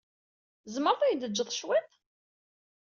Tzemreḍ ad iyi-d-tejjeḍ cwiṭ?